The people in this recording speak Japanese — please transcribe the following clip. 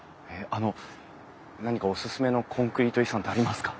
あの何かおすすめのコンクリート遺産ってありますか？